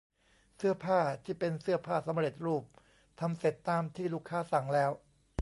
เสื้อผ้าที่เป็นเสื้อผ้าสำเร็จรูปทำเสร็จตามที่ลูกค้าสั่งแล้ว